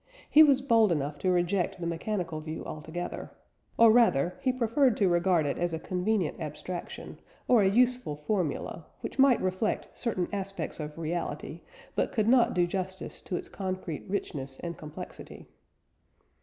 He was bold enough to reject the mechanical view altogether; or rather he preferred to regard it as a convenient abstraction, or a useful formula, which might reflect certain aspects of reality, but could not do justice to its concrete richness and complexity.